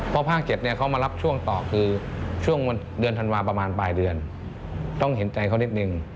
เพราะภาค๗เขามารับช่วงต่อคือช่วงเดือนธันวาประมาณปลายเดือนต้องเห็นใจเขานิดนึง